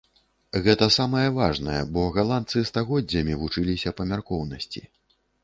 Гэта самае важнае, бо галандцы стагоддзямі вучыліся памяркоўнасці.